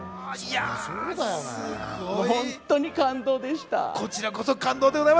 本当に感動でした。